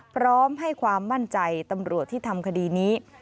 พร้อมให้ความมั่นใจตำรวจที่ทำคดีนี้